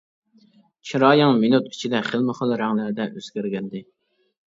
چىرايىڭ مىنۇت ئىچىدە خىلمۇخىل رەڭلەردە ئۆزگەرگەنىدى.